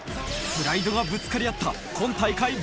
プライドがぶつかり合った今大会